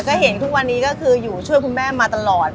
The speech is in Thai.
ก็เห็นทุกวันนี้ก็คืออยู่ช่วยคุณแม่มาตลอด